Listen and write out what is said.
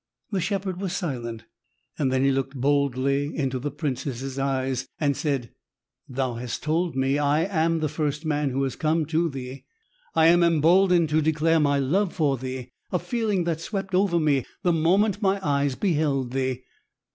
The shepherd was silent. Then he looked boldly into the princess' eyes and said: "Thou hast told me I am the first man who has come to thee. I am emboldened to declare my love for thee, a feeling that swept over me the moment my eyes beheld thee.